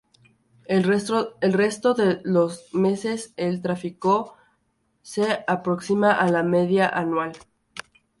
El resto de los meses el tráfico se aproxima a la media anual.